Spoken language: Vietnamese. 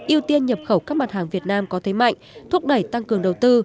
ưu tiên nhập khẩu các mặt hàng việt nam có thế mạnh thúc đẩy tăng cường đầu tư